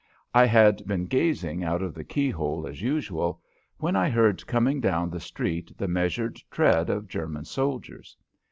I had been gazing out of the keyhole as usual when I heard coming down the street the measured tread of German soldiers.